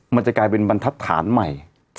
มันจะกลายเป็นบรรทัศน์ใหม่